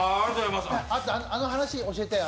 あと、あの話教えて。